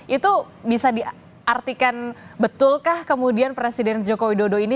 itu bisa diartikan betulkah kemudian presiden joko widodo ini